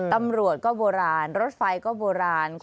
ตำรวจก็โบราณรถไฟก็โบราณ